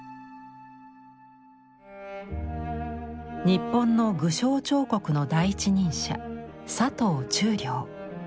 日本の具象彫刻の第一人者佐藤忠良。